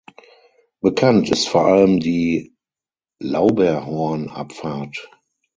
Bekannt ist vor allem die Lauberhornabfahrt.